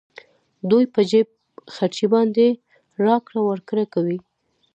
دوی په جېب خرچې باندې راکړه ورکړه کوي